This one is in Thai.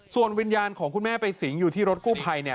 ส่วนวิญญาณของคุณแม่ไปสิงอยู่ที่รถกู้ภัย